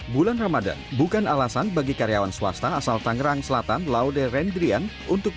bulan ramadhan bukan alasan bagi karyawan swasta asal tangerang selatan laude rendrian untuk